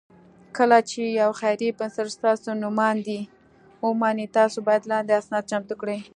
کله چې یو خیري بنسټ ستاسو نوماندۍ ومني، تاسو باید لاندې اسناد چمتو کړئ: